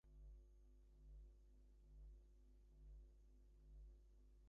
Reform proposals aim to enhance the relevance and contribution of the council.